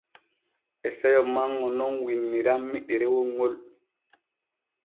E seyo manŋo nun winnirammi ɗerewol ŋol.